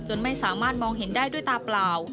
ไม่สามารถมองเห็นได้ด้วยตาเปล่า